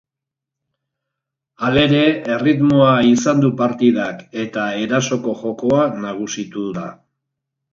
Halere, erritmoa izan du partidak eta erasoko jokoa nagusitu da.